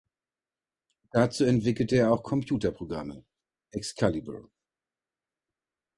Dazu entwickelte er auch Computerprogramme (Excalibr).